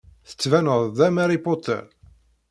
Tettbaned-d am Harry Potter.